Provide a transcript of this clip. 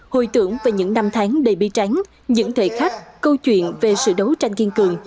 hồi tưởng về những năm tháng đầy bi tránh những thời khắc câu chuyện về sự đấu tranh kiên cường